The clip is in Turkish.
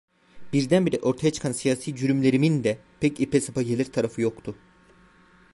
Birdenbire ortaya çıkan siyasi cürümlerimin de pek ipe sapa gelir tarafı yoktu.